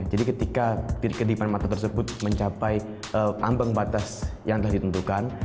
jadi ketika kedipan mata tersebut mencapai ambang batas yang telah ditentukan